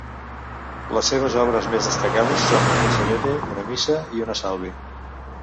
Les seves obres més destacades són un miserere, una missa i una salve.